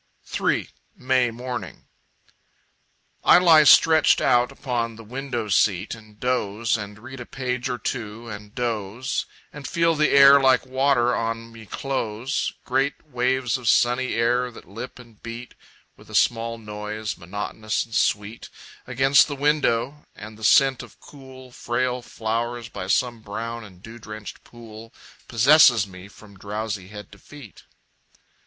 3. May Morning I lie stretched out upon the window seat And doze, and read a page or two, and doze, And feel the air like water on me close, Great waves of sunny air that lip and beat With a small noise, monotonous and sweet, Against the window and the scent of cool, Frail flowers by some brown and dew drenched pool Possesses me from drowsy head to feet.